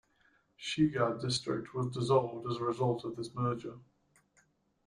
Shiga District was dissolved as a result of this merger.